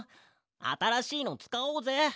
あたらしいのつかおうぜ。